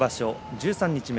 十三日目。